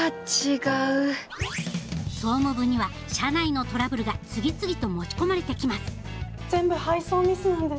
総務部には社内のトラブルが次々と持ち込まれてきます全部配送ミスなんです。